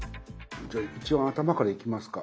じゃあ一番頭からいきますか。